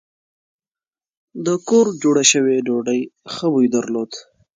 د کور جوړه شوې ډوډۍ ښه بوی درلود.